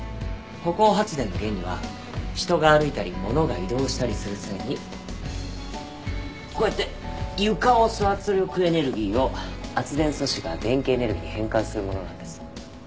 歩行発電の原理は人が歩いたりものが移動したりする際にこうやって床を押す圧力エネルギーを圧電素子が電気エネルギーに変換するものなんです。